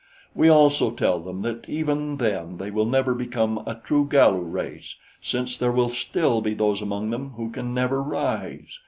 We also tell them that even then they will never become a true Galu race, since there will still be those among them who can never rise.